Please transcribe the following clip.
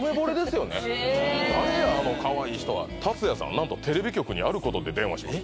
なんとテレビ局にあることで電話します